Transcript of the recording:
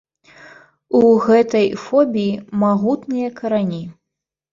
У гэтай фобіі магутныя карані.